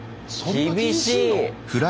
厳しい。